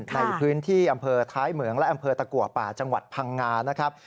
ในพื้นที่อำเภอท้ายเหมืองและอำเภอตะกัวป่าจังหวัดพังงานะครับ